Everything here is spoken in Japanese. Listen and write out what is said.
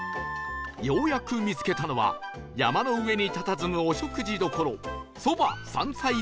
ようやく見つけたのは山の上にたたずむお食事処